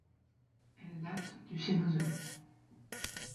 Elles datent du Cénozoïque.